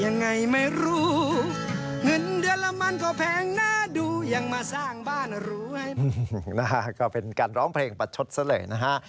นะฮะก็เป็นการร้องเพลงประชุดเสลอนะฮะ